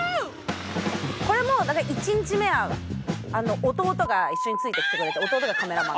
これも１日目は弟が一緒について来てくれて弟がカメラマン。